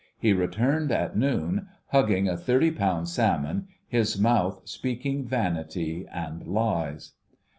He returned at noon hugging a thirty pound salmon, his mouth speaking vanity and lies.